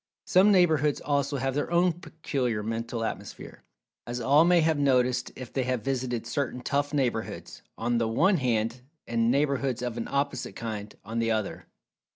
Some neighborhoods, also, have their own peculiar Mental[Pg 226] Atmosphere, as all may have noticed if they have visited certain "tough" neighborhoods, on the one hand, and neighborhoods of an opposite kind, on the other.